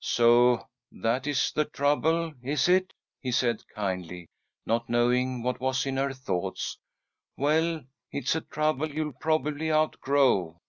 "So that is the trouble, is it?" he said, kindly, not knowing what was in her thought. "Well, it's a trouble you'll probably outgrow.